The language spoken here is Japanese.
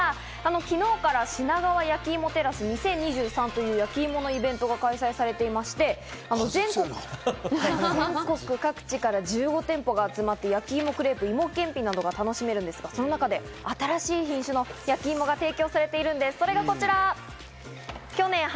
昨日から、品川やきいもテラス２０２３という、焼き芋のイベントが開催されていまして、全国各地から１５店舗が集まって、焼き芋やクレープ、芋けんぴなどが楽しめるんですが、こちらのイベントではなんと新品種の焼き芋が提供されているんです。